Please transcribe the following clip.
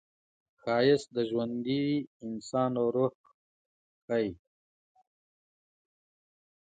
ښایست د ژوندي انسان روح ښيي